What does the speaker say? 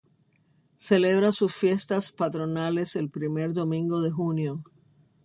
Celebra sus fiestas patronales el primer domingo de junio.